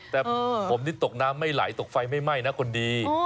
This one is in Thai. แต่ผมนี่ตกน้ำไม่ไหลตกไฟไม่ไหม้นะคนดี